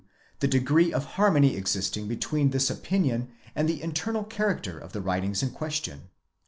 the degree of harmony existing between this opinion and the internal character of the writings in question.